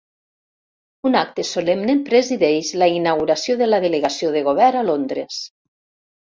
Un acte solemne presideix la inauguració de la delegació de govern a Londres